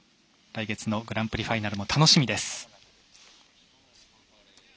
来月のグランプリファイナルも楽しみです。